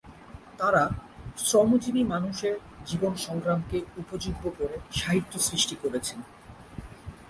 তাঁরা শ্রমজীবী মানুষের জীবন সংগ্রামকে উপজীব্য করে সাহিত্য সৃষ্টি করেছেন।